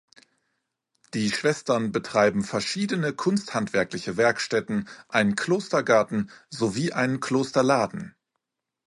Die Schwestern betreiben verschiedene kunsthandwerkliche Werkstätten, einen Klostergarten sowie einen Klosterladen.